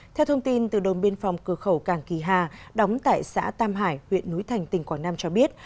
theo thông tin từ đồn biên phòng cửa khẩu càng kỳ hà đóng tại xã tam hải huyện núi thành tỉnh quảng nam cho biết